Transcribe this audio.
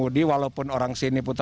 lalu apa lagi pak